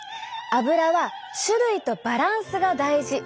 アブラは種類とバランスが大事！